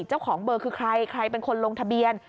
เจ้าของเบอร์คือใครใครเป็นคนลงทะเบียน